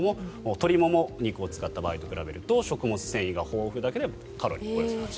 鶏もも肉を使った場合と比べると食物繊維が豊富だけれどカロリーは８０％オフと。